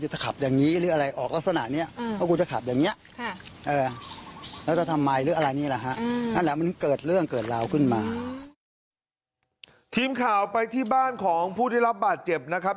ทีมข่าวไปที่บ้านของผู้ได้รับบาดเจ็บนะครับ